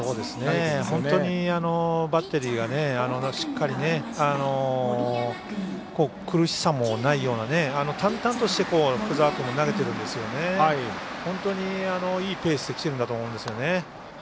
本当にバッテリーがしっかり苦しさもないような淡々として深沢君も投げてるのでいいペースできてるんだと思うんですよね。